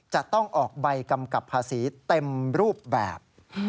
จะต้องออกใบกำกับภาษีเต็มรูปแบบ